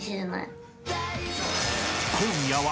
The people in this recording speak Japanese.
［今夜は］